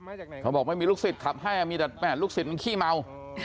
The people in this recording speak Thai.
เขาบอกไม่มีลูกศิษย์ขับให้มีแต่แม่ลูกศิษย์มันขี้เมา